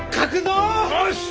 よし！